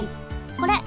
これ。